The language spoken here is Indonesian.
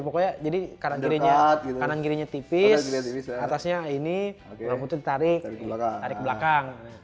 pokoknya jadi kanan girinya tipis atasnya ini lalu itu ditarik belakang